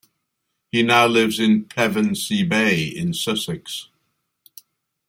He now lives in Pevensey Bay in Sussex.